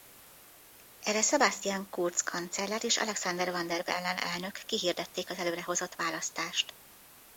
Erre Sebastian Kurz kancellár és Alexander Van der Bellen elnök kihirdették előrehozott választást.